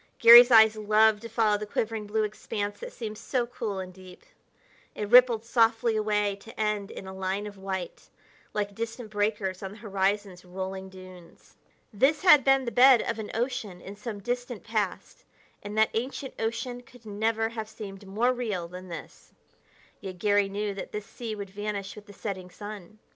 Garry's eyes loved to follow the quivering blue expanse that seemed so cool and deep. It rippled softly away to end in a line of white, like distant breakers on the horizon's rolling dunes. This had been the bed of an ocean in some distant past, and that ancient ocean could never have seemed more real than this; yet Garry knew that this sea would vanish with the setting sun.